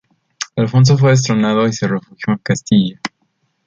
Alfonso fue destronado y se refugió en Castilla.